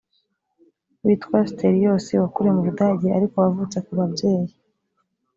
witwa stelios wakuriye mu budage ariko wavutse ku babyeyi